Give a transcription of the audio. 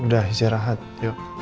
sudah isi rahat yuk